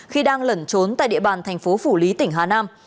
khi đang lẩn trốn tại địa bàn tp phủ lý tỉnh hà nam